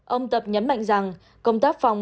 ông tập nhấn mạnh rằng công tác phòng